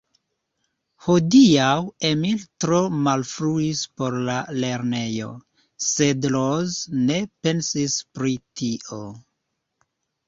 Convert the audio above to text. Hodiaŭ Emil tro malfruis por la lernejo, sed Ros ne pensis pri tio.